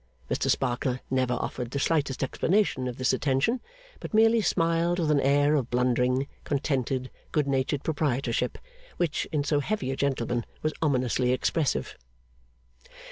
Mr Sparkler never offered the slightest explanation of this attention; but merely smiled with an air of blundering, contented, good natured proprietorship, which, in so heavy a gentleman, was ominously expressive.